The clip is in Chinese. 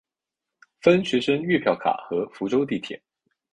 分学生月票卡和福州地铁。